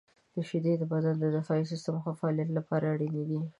• شیدې د بدن د دفاعي سیستم د ښه فعالیت لپاره اړینې دي.